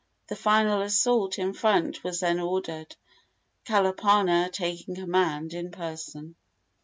The final assault in front was then ordered, Kalapana taking command in person.